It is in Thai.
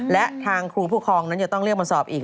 และทางครูผู้ครองนั้นจะต้องเรียกมาสอบอีก